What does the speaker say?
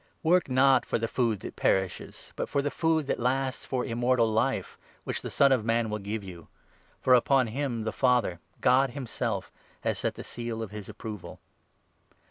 Work, 27 not for the food that perishes, but for the food that lasts for Immortal Life, which the Son of Man will give you ; for upon him the Father — God himself — has set the seal of his approval."